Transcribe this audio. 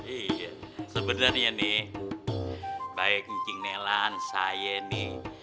iya sebenarnya nih baik encing nelan saya nih